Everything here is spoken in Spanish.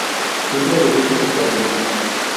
Siempre obedece sus órdenes.